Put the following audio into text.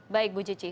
baik bu cici